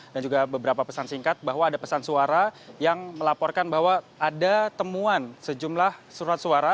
dan juga beberapa pesan singkat bahwa ada pesan suara yang melaporkan bahwa ada temuan sejumlah surat suara